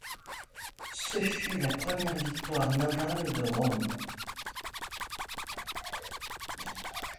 Ce fut la première victoire navale de Rome.